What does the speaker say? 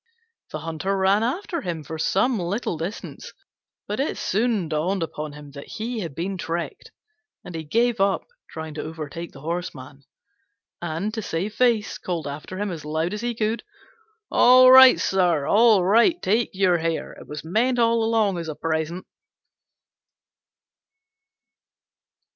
The Hunter ran after him for some little distance; but it soon dawned upon him that he had been tricked, and he gave up trying to overtake the Horseman, and, to save his face, called after him as loud as he could, "All right, sir, all right, take your hare: it was meant all along as a present."